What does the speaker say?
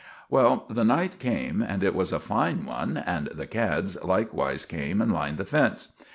Well, the night came, and it was a fine one; and the cads likewise came and lined the fence.